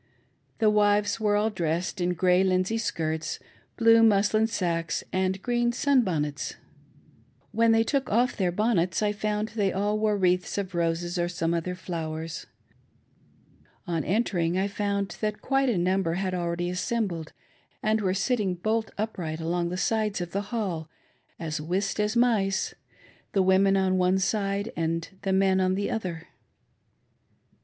The wives were all dressed in grey linsey skirts^ blue muslin sacques, and green sunbonnets. When they took off their bonnets I found that they all wore wreaths of roses or some other flowers. On entering, I found that quite a num ber had already assembled and weire sitting bolt upright along the sides of the hall, as whist as mice — the women on one side, and the men on the other.